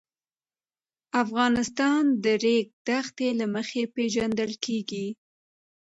افغانستان د د ریګ دښتې له مخې پېژندل کېږي.